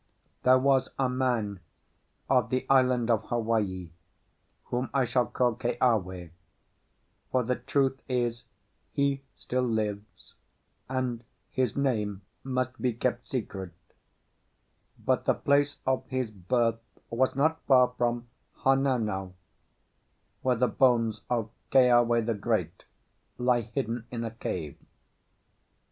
There was a man of the Island of Hawaii, whom I shall call Keawe; for the truth is, he still lives, and his name must be kept secret; but the place of his birth was not far from Honaunau, where the bones of Keawe the Great lie hidden in a cave.